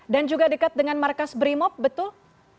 dan juga dekat dengan markas brimop betul